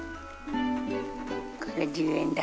これ１０円だ。